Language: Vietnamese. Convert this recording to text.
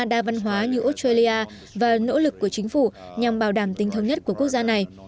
đa văn hóa như australia và nỗ lực của chính phủ nhằm bảo đảm tính thống nhất của quốc gia này